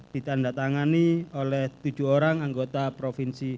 ditandatangani oleh tujuh orang anggota provinsi